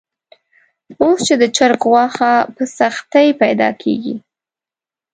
اوس چې د چرګ غوښه په سختۍ پیدا کېږي.